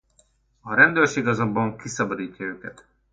A rendőrség azonban kiszabadítja őket.